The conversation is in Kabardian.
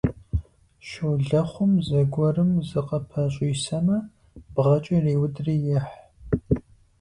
Щолэхъум зыгуэрым зыкъыпэщӀисэмэ, бгъэкӀэ иреудри ехь.